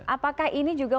apakah ini juga